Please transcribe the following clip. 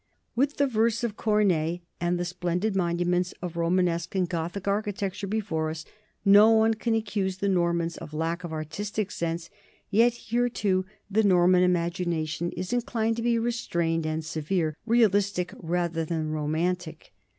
With the verse of Corneille and the splendid monuments of Romanesque and Gothic architecture before us, no one can accuse the Normans of lack of artistic sense, yet here, too, the Norman imagination is inclined to be restrained and severe, real istic rather than romantic.